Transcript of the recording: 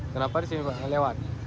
kenapa di sini lewat